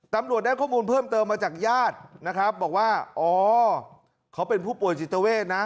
ตำรวจได้ข้อมูลเพิ่มเติมมาจากญาตินะครับบอกว่าอ๋อเขาเป็นผู้ป่วยจิตเวทนะ